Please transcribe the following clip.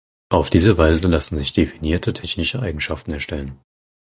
Auf diese Weise lassen sich definierte technische Eigenschaften erstellen.